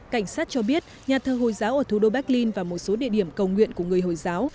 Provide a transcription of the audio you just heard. cảnh sát cho biết nhà thơ hồi giáo ở thủ đô berlin và một số địa điểm cầu nguyện của người hồi giáo